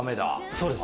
そうです。